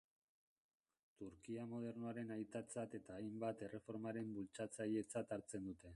Turkia modernoaren aitatzat eta hainbat erreformaren bultzatzailetzat hartzen dute.